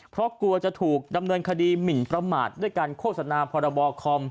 เพราะกลัวจะถูกดำเนินคดีหมินประมาทด้วยการโฆษณาพรบคอม